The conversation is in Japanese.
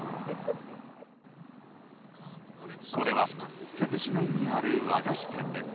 これは珠洲市内にある和菓子店です。